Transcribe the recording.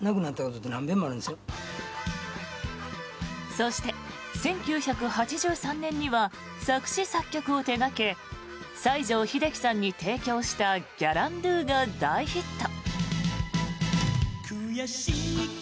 そして、１９８３年には作詞作曲を手掛け西城秀樹さんに提供した「ギャランドゥ」が大ヒット。